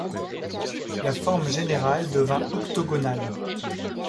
La forme générale devint octogonale.